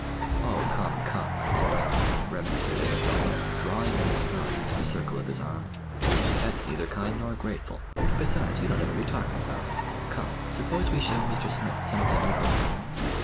"Oh, come, come, my boy," remonstrated the father, drawing his son into the circle of his arm. "That's neither kind nor grateful; besides, you don't know what you're talking about. Come, suppose we show Mr. Smith some of the new books."